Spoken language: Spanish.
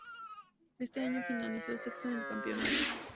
Ese año finalizó sexto en el campeonato.